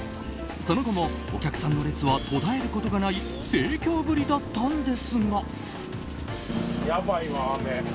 その後も、お客さんの列は途絶えることがない盛況ぶりだったんですが。